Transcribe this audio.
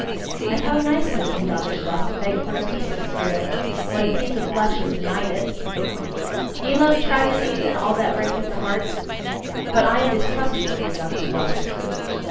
And how nicely can doggish lust beg for a piece of spirit, when a piece of flesh is denied it! Ye love tragedies and all that breaketh the heart? But I am distrustful of your doggish lust.